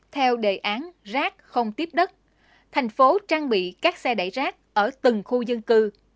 theo đề án rác không tiếp đất thành phố trang bị các xe đẩy rác ở từng khu dân cư